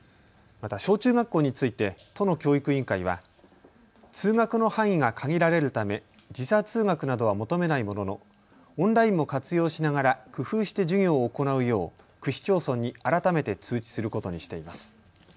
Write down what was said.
また小中学校について都の教育委員会は通学の範囲が限られるため時差通学などは求めないもののオンラインも活用しながら工夫して授業を行うよう区市町村に改めて通知することにしています。